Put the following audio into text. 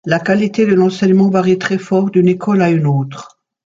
La qualité de l'enseignement varie très fort d'une école à une autre.